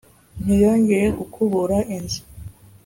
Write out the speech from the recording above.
Ntiyongeye gukubura inzu